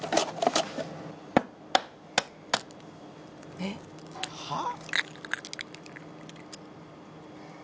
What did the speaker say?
えっ？はあ？